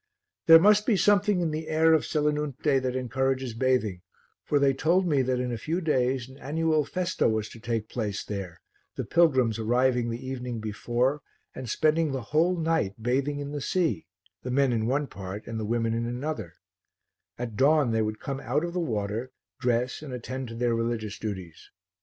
There must be something in the air of Selinunte that encourages bathing, for they told me that in a few days an annual festa was to take place there, the pilgrims arriving the evening before and spending the whole night bathing in the sea, the men in one part and the women in another; at dawn they would come out of the water, dress and attend to their religious duties.